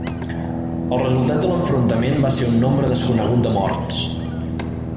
El resultat de l'enfrontament va ser un nombre desconegut de morts.